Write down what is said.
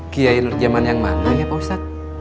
kiai nur zaman yang mana ya pak ustadz